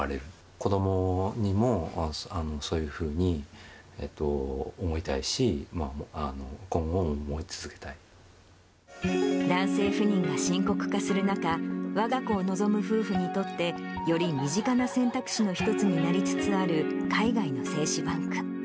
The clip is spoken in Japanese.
子どもにもそういうふうに思いたいし、男性不妊が深刻化する中、わが子を望む夫婦にとって、より身近な選択肢の一つになりつつある海外の精子バンク。